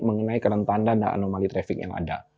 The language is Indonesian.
mengenai kerentanan dan anomali trafik yang ada